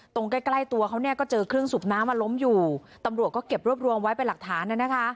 ใกล้ใกล้ตัวเขาเนี่ยก็เจอเครื่องสูบน้ำมาล้มอยู่ตำรวจก็เก็บรวบรวมไว้เป็นหลักฐานนะคะ